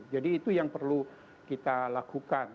jadi itu yang perlu kita lakukan